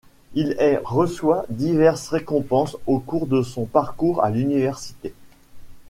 Il est reçoit diverses récompenses au cours de son parcours à l'université.